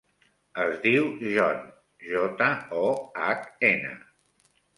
Es diu John: jota, o, hac, ena.